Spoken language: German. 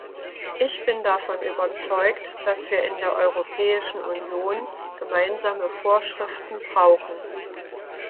Ich bin davon überzeugt, dass wir in der Europäischen Union gemeinsame Vorschriften brauchen.